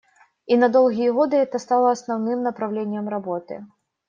И на долгие годы это стало основным направлением работы.